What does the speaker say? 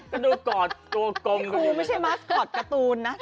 ก็ดูกอดตัวกลมดูไม่ใช่มัสกอร์ตการ์ตูนนะ